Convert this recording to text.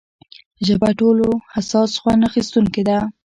ژبه ټولو حساس خوند اخیستونکې ده.